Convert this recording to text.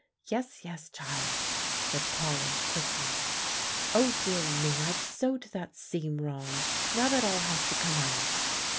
"Yes, yes, child," said Polly quickly. "Oh, dear me! I've sewed that seam wrong; now that has all to come out."